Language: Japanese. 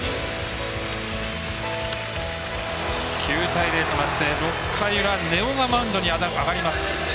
９対０となって６回裏、根尾がマウンドに上がります。